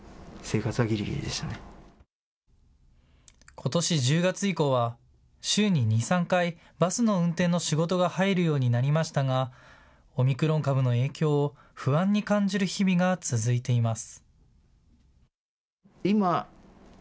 ことし１０月以降は週に２、３回、バスの運転の仕事が入るようになりましたがオミクロン株の影響を不安に感じる日々が続いています。